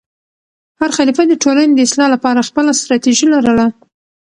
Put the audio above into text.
هر خلیفه د ټولنې د اصلاح لپاره خپله ستراتیژي لرله.